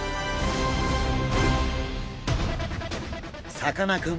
さかなクン